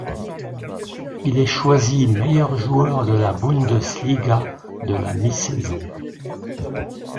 Il est choisi meilleur joueur de Bundesliga de la mi-saison.